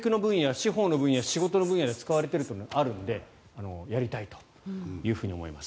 司法の分野、仕事の分野で使われているというのがあるのでやりたいというふうに思います。